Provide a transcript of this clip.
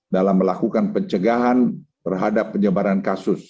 dalam melakukan pencegahan terhadap penyebaran kasus